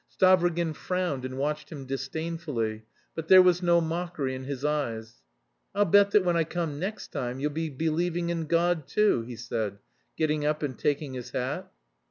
Stavrogin frowned and watched him disdainfully, but there was no mockery in his eyes. "I'll bet that when I come next time you'll be believing in God too," he said, getting up and taking his hat.